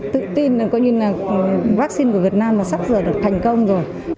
tự tin coi như là vaccine của việt nam sắp giờ được thành công rồi